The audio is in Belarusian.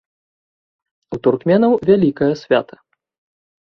У туркменаў вялікае свята.